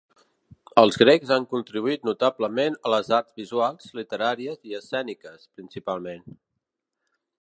Els grecs han contribuït notablement a les arts visuals, literàries i escèniques, principalment.